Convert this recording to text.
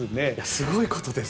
すごいことです。